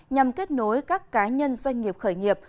nhằm kết nối các cá nhân doanh nghiệp khởi nghiệp